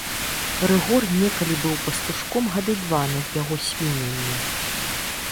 Рыгор некалі быў пастушком гады два над яго свіннямі.